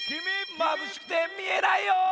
まぶしくてみえないよ！